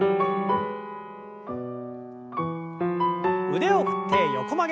腕を振って横曲げ。